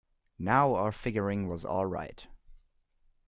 Now our figuring was all right.